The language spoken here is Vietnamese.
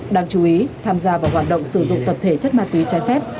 đáng chú ý tham gia vào hoạt động sử dụng tập thể chất ma túy trái phép